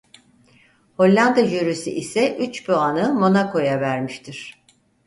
Hollanda jürisi ise üç puanı Monako'ya vermiştir.